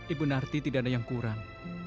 ibu narti tidak ada yang kurang